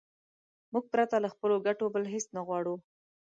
موږ پرته له خپلو ګټو بل هېڅ نه غواړو.